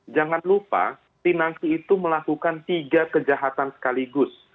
jangan lupa pinangki itu melakukan tiga kejahatan sekaligus